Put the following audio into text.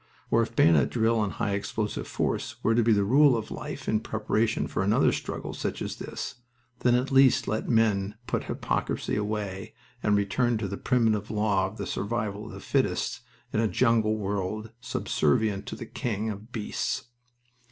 Or if bayonet drill and high explosive force were to be the rule of life in preparation for another struggle such as this, then at least let men put hypocrisy away and return to the primitive law of the survival of the fittest in a jungle world subservient to the king of beasts.